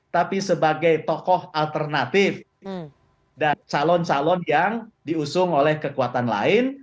tapi sebagai tokoh alternatif dan calon calon yang diusung oleh kekuatan lain